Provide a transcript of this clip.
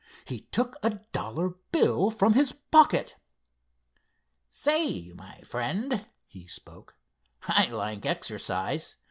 He took a dollar bill from his pocket. "Say, my friend," he spoke, "I like exercise.